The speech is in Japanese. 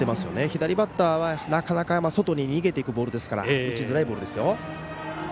左バッターは外に逃げていくボールですから打ちづらいボールですよ。